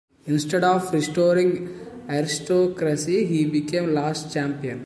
Instead of restoring the aristocracy, he became the last champion.